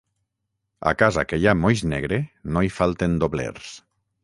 A casa que hi ha moix negre no hi falten doblers.